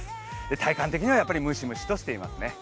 体感的にはムシムシとしていますね。